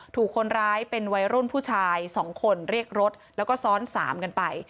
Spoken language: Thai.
ถูกคนร้ายเป็นวัยรุ่นผู้ชาย๒คนเรียกรถแล้วก็ซ้อน๓กันไป